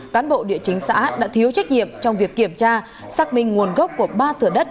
cán bộ địa chính xã đã thiếu trách nhiệm trong việc kiểm tra xác minh nguồn gốc của ba thửa đất